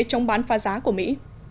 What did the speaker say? trong bán pha giá của mỹ